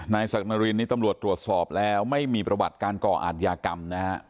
ศักดรินนี่ตำรวจตรวจสอบแล้วไม่มีประวัติการก่ออาทยากรรมนะฮะ